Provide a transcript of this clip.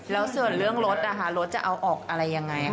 แล้วส่วนเรื่องรถรถจะเอาออกอะไรยังไงครับ